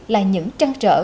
là những trăn trở